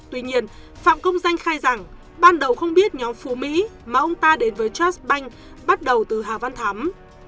tuy nhiên phạm công danh khai rằng ban đầu không biết nhóm phu mỹ mà ông ta đến với trust bank bắt đầu từ hà văn thắm